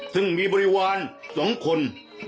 ซึ่งมีบริวาร๒คน